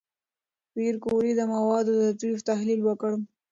پېیر کوري د موادو د طیف تحلیل وکړ.